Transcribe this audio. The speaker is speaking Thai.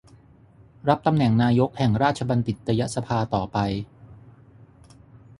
รับตำแหน่งนายกแห่งราชบัณฑิตยสภาต่อไป